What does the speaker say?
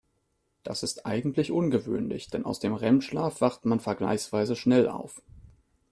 Das ist eigentlich ungewöhnlich, denn aus dem REM-Schlaf wacht man vergleichsweise schnell auf.